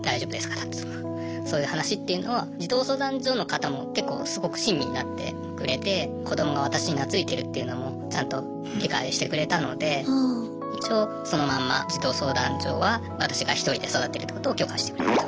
だとかそういう話っていうのを児童相談所の方も結構すごく親身になってくれて子どもが私に懐いてるっていうのもちゃんと理解してくれたので一応そのまんま児童相談所は私がひとりで育てるってことを許可してくれたと。